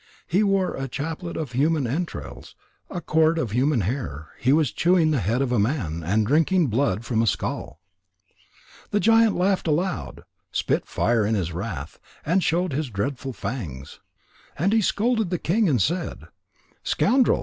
He wore a chaplet of human entrails, a cord of human hair, he was chewing the head of a man, and drinking blood from a skull. The giant laughed aloud, spit fire in his wrath, and showed his dreadful fangs. And he scolded the king and said: "Scoundrel!